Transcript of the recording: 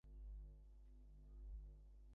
আমরা এখানেই যাচ্ছি।